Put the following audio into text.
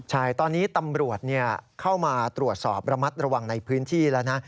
ใช่ตอนนี้ตำรวจเข้ามาตรวจสอบระมัดระวังในพื้นที่แล้วนะ